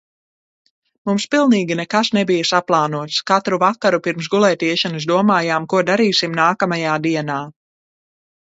Mums pilnīgi nekas nebija saplānots. Katru vakaru pirms gulētiešanas domājām, ko darīsim nākamajā dienā.